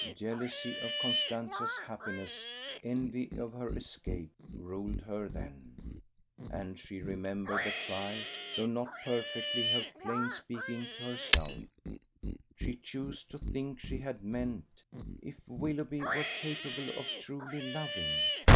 Jealousy of Constantia's happiness, envy of her escape, ruled her then: and she remembered the cry, though not perfectly her plain speaking to herself: she chose to think she had meant: If Willoughby were capable of truly loving!